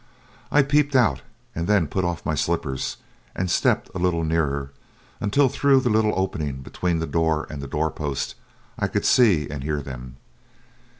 I peeped out, and then put off my slippers, and stepped a little nearer, until through the little opening between the door and the door post, I could both see and hear them.